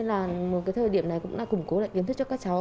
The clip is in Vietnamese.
nên là một thời điểm này cũng là củng cố lại kiến thức cho các cháu